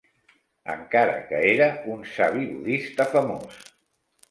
Encara que era un savi budista famós.